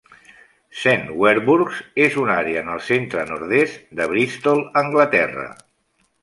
Saint Werburgh's és una àrea en el centre-nord-est de Bristol, Anglaterra.